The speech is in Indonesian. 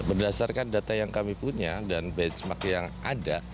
berdasarkan data yang kami punya dan benchmark yang ada